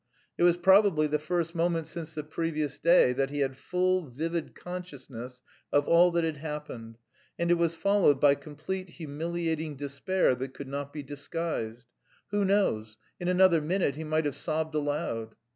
It was probably the first moment since the previous day that he had full, vivid consciousness of all that had happened and it was followed by complete, humiliating despair that could not be disguised who knows, in another minute he might have sobbed aloud.